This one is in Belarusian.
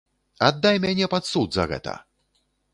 Аддай мяне пад суд за гэта!